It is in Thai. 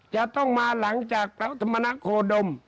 จะต้องมาหลังจากพระธรรมนโคดม